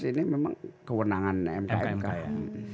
ini memang kewenangan mk mk ya